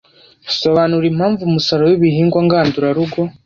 Sobanura impamvu umusaruro w’ibihingwa ngandurarugo